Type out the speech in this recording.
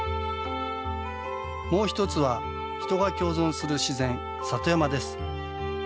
もう一つは人が共存する自然里山です。